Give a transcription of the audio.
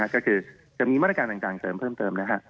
ก็คือจะมีมาตรการดังเจริญเพิ่มนะครับ